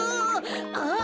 あっ！